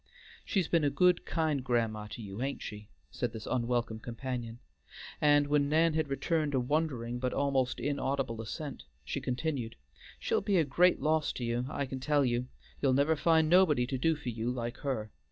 "She's been a good, kind grandma to you, hain't she?" said this unwelcome companion, and when Nan had returned a wondering but almost inaudible assent, she continued, "She'll be a great loss to you, I can tell you. You'll never find nobody to do for you like her.